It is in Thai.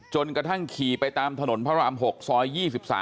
จนกระทั่งขี่ไปตามถนนพระราม๖ซอย๒๓